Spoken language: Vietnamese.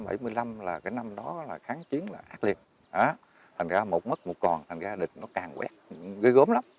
năm bảy mươi là cái năm đó là kháng chiến là ác liệt thành ra một mất một còn thành ra địch nó càng quét gây gốm lắm